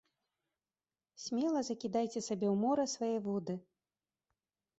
Смела закідайце сабе ў мора свае вуды.